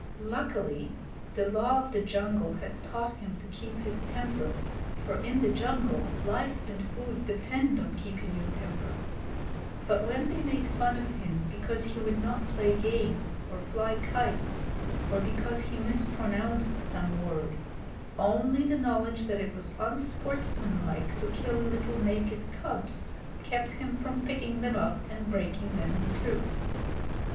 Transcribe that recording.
Luckily, the Law of the Jungle had taught him to keep his temper, for in the jungle life and food depend on keeping your temper; but when they made fun of him because he would not play games or fly kites, or because he mispronounced some word, only the knowledge that it was unsportsmanlike to kill little naked cubs kept him from picking them up and breaking them in two.